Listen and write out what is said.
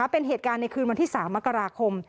เป็นเหตุการณ์ในคืนวันที่๓มกราคม